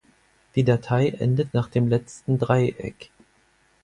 Die Datei endet nach dem letzten Dreieck.